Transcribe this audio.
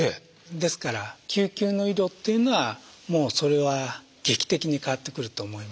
ですから救急の医療っていうのはもうそれは劇的に変わってくると思います。